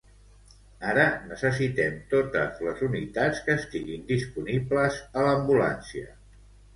Ara necessitem totes les unitats que estiguin disponibles a l'ambulància.